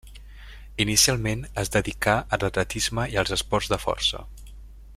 Inicialment es dedicà a l'atletisme i als esports de força.